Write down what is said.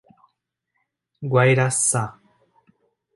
Guairaçá